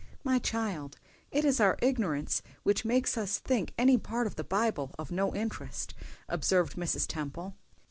"My child, it is our ignorance which makes us think any part of the Bible of no interest," observed Mrs. Temple.